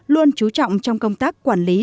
và sự chú trọng trong công tác quản lý